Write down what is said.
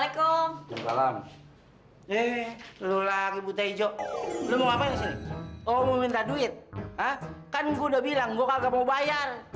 kan gue udah bilang gue kagak mau bayar